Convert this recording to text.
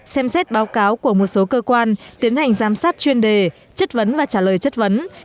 xem xét báo cáo của một số cơ quan tiến hành giám sát chuyên đề chất vấn và trả lời chất vấn